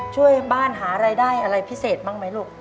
ช่วยบ้านหารายได้อะไรพิเศษบ้างไหมลูก